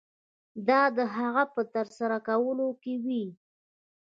دا د هغه څه په ترسره کولو کې وي.